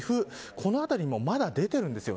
この辺りにもまだ出ているんです。